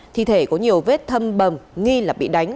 thi thể có nhiều vết thâm bầm nghi là bị đánh